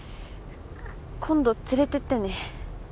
今度連れてってね。